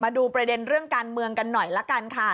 ดูประเด็นเรื่องการเมืองกันหน่อยละกันค่ะ